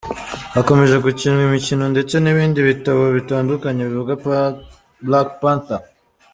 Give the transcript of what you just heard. Hakomeje gukinwa imikino ndetse n’ibindi bitabo bitandukanye bivuga Black Panther.